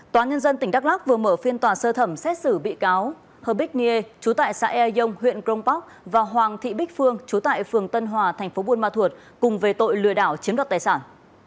tòa nhân dân tỉnh đắk lắc vừa mở phiên tòa sơ thẩm xét xử bị cáo hờ bích niê chú tại xã e dông huyện crong park và hoàng thị bích phương chú tại phường tân hòa thành phố buôn ma thuột cùng về tội lừa đảo chiếm đoạt tài sản